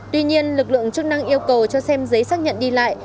tuy nhiên lực lượng chức năng yêu cầu cho xem giấy xác nhận đi lại